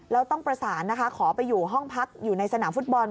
แล้วต้องประสานนะคะขอไปอยู่ห้องพักอยู่ในสนามฟุตบอล